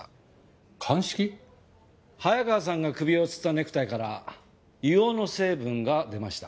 早川さんが首を吊ったネクタイから硫黄の成分が出ました。